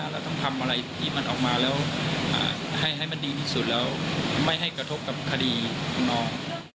เราต้องทำอะไรที่มันออกมาแล้วให้มันดีที่สุดแล้วไม่ให้กระทบกับคดีของน้อง